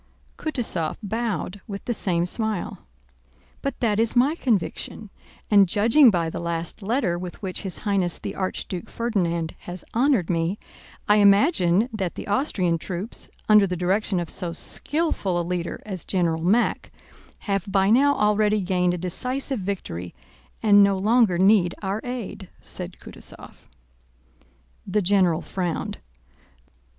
Kutúzov bowed with the same smile. "But that is my conviction, and judging by the last letter with which His Highness the Archduke Ferdinand has honored me, I imagine that the Austrian troops, under the direction of so skillful a leader as General Mack, have by now already gained a decisive victory and no longer need our aid," said Kutúzov. The general frowned.